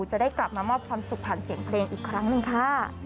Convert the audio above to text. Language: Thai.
จะได้กลับมามอบความสุขผ่านเสียงเพลงอีกครั้งหนึ่งค่ะ